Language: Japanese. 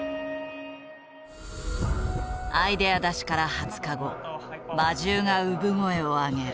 アイデア出しから２０日後魔獣が産声を上げる。